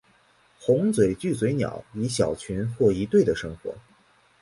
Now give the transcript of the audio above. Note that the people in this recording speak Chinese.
红嘴巨嘴鸟以小群或一对的生活。